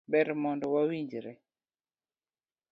Ber mondo wa winjre.